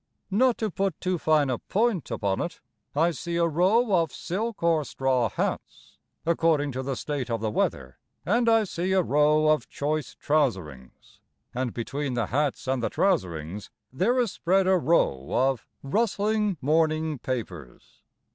Not to put too fine a point upon it, I see a row of silk or straw hats (According to the state of the weather), And I see a row Of choice trouserings, And between the hats and the trouserings There is spread A row of rustling morning papers.